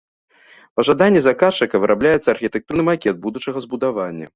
Па жаданні заказчыка вырабляецца архітэктурны макет будучага збудавання.